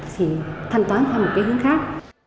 thì thân toán theo một cái hướng khác